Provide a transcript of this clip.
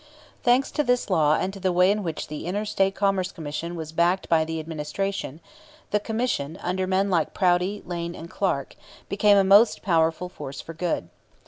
Thanks to this law and to the way in which the Inter State Commerce Commission was backed by the Administration, the Commission, under men like Prouty, Lane, and Clark, became a most powerful force for good.